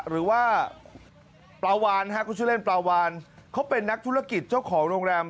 หรือว่าปลาวานเขาชื่อเล่นปลาวานเขาเป็นนักธุรกิจเจ้าของโรงแรม